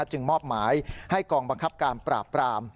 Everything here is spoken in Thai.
จึงมอบหมายให้กองบังคับการปราบปราม